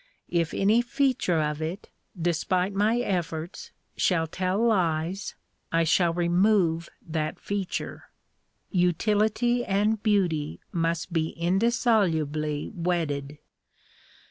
If any feature of it, despite my efforts, shall tell lies, I shall remove that feature. Utility and beauty must be indissolubly wedded.